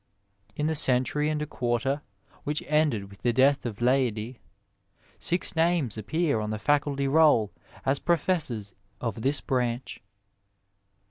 In the century and a quarter which ended with the death of Leidy, six names appear on the faculty roll as professors of this branch.